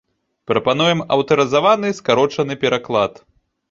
Прапануем аўтарызаваны скарочаны пераклад.